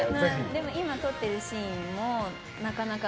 でも今撮ってるシーンもなかなか。